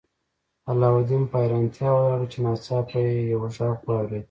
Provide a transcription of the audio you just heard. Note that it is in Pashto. علاوالدین په حیرانتیا ولاړ و چې ناڅاپه یې یو غږ واورید.